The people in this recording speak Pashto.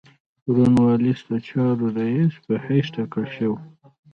کورن والیس د چارو رییس په حیث تاکل شوی.